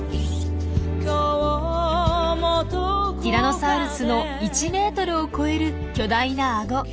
ティラノサウルスの１ｍを超える巨大なアゴ。